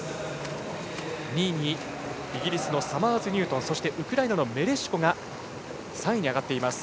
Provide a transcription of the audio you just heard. ２位にイギリスのサマーズニュートンそしてウクライナのメレシコが３位に上がっています。